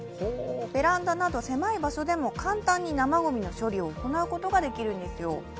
ベランダなど狭い場所でも簡単に生ごみの処理を行うことができるんですよ。